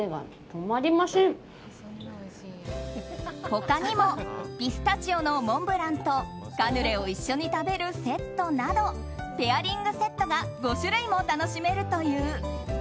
他にもピスタチオのモンブランとカヌレを一緒に食べるセットなどペアリングセットが５種類も楽しめるという。